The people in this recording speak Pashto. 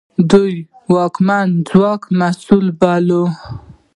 دوی واکمن ځواک مسوول باله.